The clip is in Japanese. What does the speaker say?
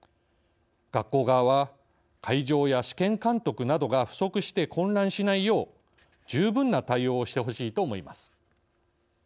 学校側は会場や試験監督などが不足して混乱しないよう十分な対応をしてほしいと思います。